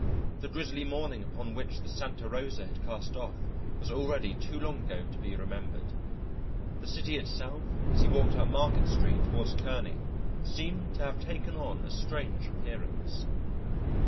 The drizzly morning upon which the Santa Rosa had cast off was already too long ago to be remembered. The city itself as he walked up Market Street toward Kearney seemed to have taken on a strange appearance.